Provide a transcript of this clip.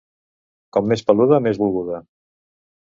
Com més peluda, més volguda.